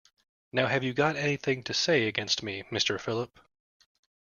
Now have you got anything to say against me, Mr Philip.